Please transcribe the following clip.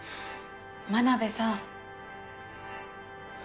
真鍋さん。